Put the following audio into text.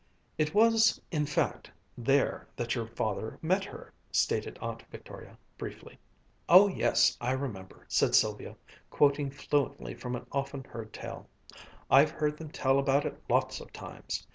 "It was, in fact, there that your father met her," stated Aunt Victoria briefly. "Oh yes, I remember," said Sylvia, quoting fluently from an often heard tale. "I've heard them tell about it lots of times.